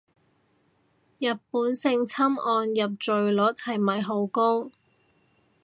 日本性侵案入罪率係咪好高